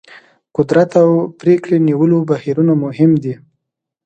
قدرت او پرېکړې نیولو بهیرونه مهم دي.